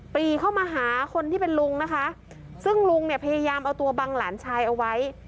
ปีเข้ามาหาคนที่เป็นลุงนะคะซึ่งลุงเนี่ยพยายามเอาตัวบังหลานชายเอาไว้